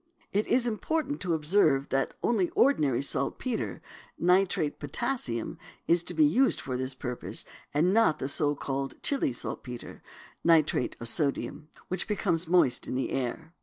It is important to observe that only ordinary saltpetre (nitrate of potassium) is to be used for this purpose, and not the so called Chili saltpetre (nitrate of sodium) which becomes moist in the air.